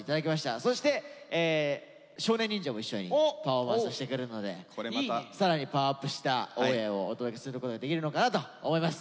そして少年忍者も一緒にパフォーマンスしてくれるので更にパワーアップした「ＯｈＹｅａｈ！」をお届けすることができるのかなと思います。